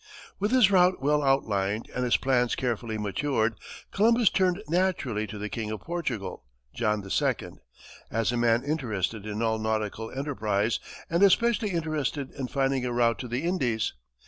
With his route well outlined and his plans carefully matured, Columbus turned naturally to the King of Portugal, John II., as a man interested in all nautical enterprise, and especially interested in finding a route to the Indies.